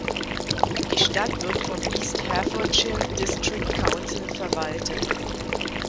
Die Stadt wird vom East Hertfordshire district council verwaltet.